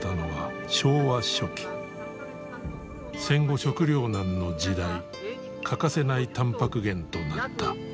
戦後食糧難の時代欠かせないタンパク源となった。